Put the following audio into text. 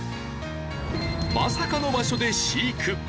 まさかの場所で飼育！